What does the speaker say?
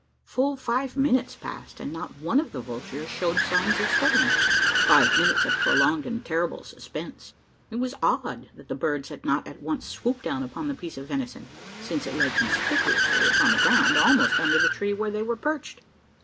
Full five minutes passed, and not one of the vultures showed signs of stirring five minutes of prolonged and terrible suspense. It was odd that the birds had not at once swooped down upon the piece of venison: since it lay conspicuously upon the ground almost under the tree where they were perched!